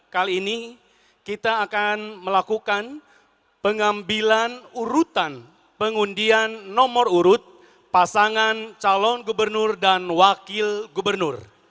kali ini kita akan melakukan pengambilan urutan pengundian nomor urut pasangan calon gubernur dan wakil gubernur